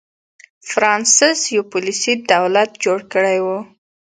فرانسس یو پولیسي دولت جوړ کړی و.